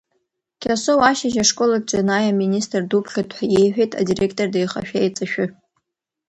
Кьасоу ашьыжь ашколаҿ данааи, аминистр дуԥхьоит ҳәа иеиҳәеит адиректор деихашәа-еиҵашәы.